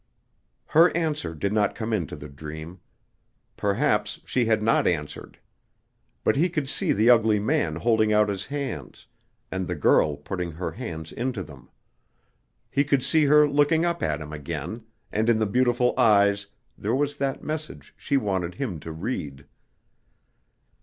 Her answer did not come into the dream. Perhaps she had not answered. But he could see the ugly man holding out his hands, and the girl putting her hands into them. He could see her looking up at him again, and in the beautiful eyes there was that message she wanted him to read.